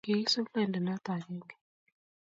Kigisup lainda noto agenge